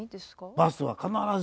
バスは必ず。